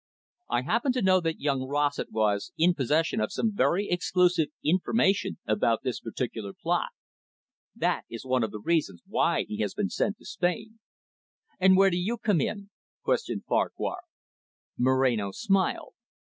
"I happen to know that young Rossett was in possession of some very exclusive information about this particular plot. That is one of the reasons why he has been sent to Spain." "And where do you come in?" questioned Farquhar. Moreno smiled.